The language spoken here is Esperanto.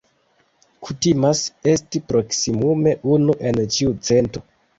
Kutimas esti proksimume unu en ĉiu cento.